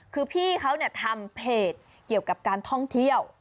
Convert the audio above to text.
คือพี่เขาทำเพจเกี่ยวกับการท่องเที่ยว